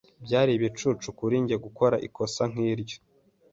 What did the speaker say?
Byari ibicucu kuri njye gukora ikosa nkiryo.